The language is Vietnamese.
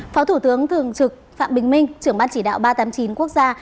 phó thủ tướng thường trực phạm bình minh trưởng ban chỉ đạo ba trăm tám mươi chín quốc gia